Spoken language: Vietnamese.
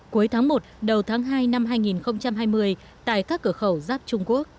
cuối tháng một đầu tháng hai năm hai nghìn hai mươi tại các cửa khẩu giáp trung quốc